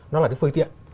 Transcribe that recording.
nó là cái phương tiện